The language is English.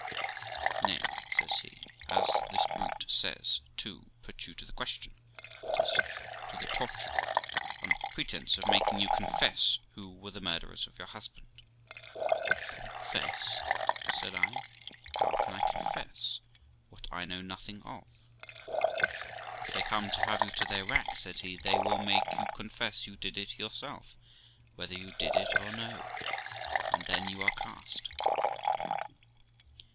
'Nay', says he, 'as this brute says, too, put you to the question that is, to the torture, on pretence of making you confess who were the mur derers of your husband.' 'Confess!' said I. 'How can I confess what I know nothing of?' 'If they come to have you to the rack'; said he, 'they will make you confess you did it yourself, whether you did it or no, and then you are cast.'